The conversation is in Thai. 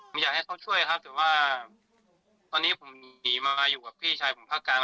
ไม่อยากให้เขาช่วยครับแต่ว่าตอนนี้ผมหนีมาอยู่กับพี่ชายผมภาคกลาง